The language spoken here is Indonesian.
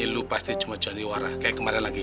lo pasti cuma sandiwara kayak kemarin lagi